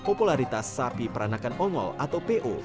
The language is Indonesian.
popularitas sapi peranakan ongol atau po